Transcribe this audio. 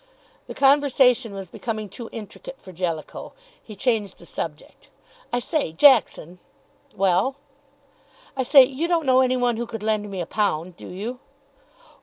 The conversation was becoming too intricate for Jellicoe. He changed the subject. "I say, Jackson!" "Well?" "I say, you don't know any one who could lend me a pound, do you?"